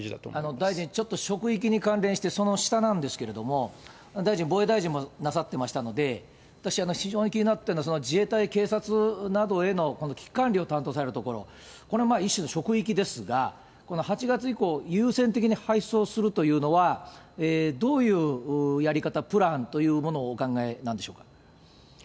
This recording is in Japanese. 大臣、ちょっと職域に関連してその下なんですけれども、大臣、防衛大臣もなさってましたので、私、非常に気になったのは、その自衛隊、警察などの危機管理を担当されるところ、これもまあ一種の職域ですが、この８月以降、優先的に配送するというのは、どういうやり方、プランというものをお考えなんでしょうか。